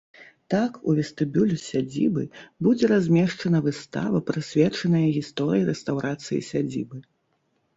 Так, у вестыбюлі сядзібы будзе размешчана выстава, прысвечаная гісторыі рэстаўрацыі сядзібы.